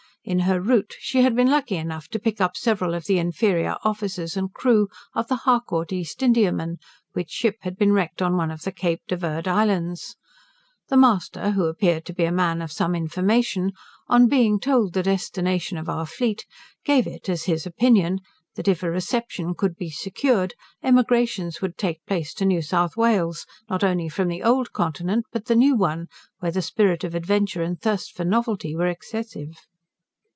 In her route, she had been lucky enough to pick up several of the inferior officers and crew of the Harcourt East Indiaman, which ship had been wrecked on one of the Cape de Verd Islands. The master, who appeared to be a man of some information, on being told the destination of our fleet, gave it as his opinion, that if a reception could be secured, emigrations would take place to New South Wales, not only from the old continent, but the new one, where the spirit of adventure and thirst for novelty were excessive.